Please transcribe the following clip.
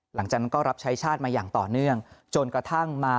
หลังจากนั้นก็รับใช้ชาติมาอย่างต่อเนื่องจนกระทั่งมา